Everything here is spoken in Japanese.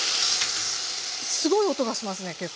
すごい音がしますね結構。